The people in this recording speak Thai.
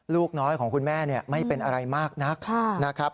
ลูกน้อยของคุณแม่ไม่เป็นอะไรมากนักนะครับ